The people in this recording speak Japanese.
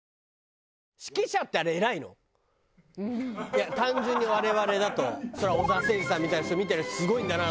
いや単純に我々だとそりゃ小澤征爾さんみたいな人見てすごいんだな。